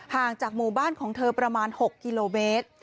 ห่างจากหมู่บ้านของเธอประมาณ๖กิโลเมตร